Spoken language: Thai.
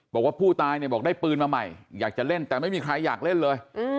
บอกว่าผู้ตายเนี่ยบอกได้ปืนมาใหม่อยากจะเล่นแต่ไม่มีใครอยากเล่นเลย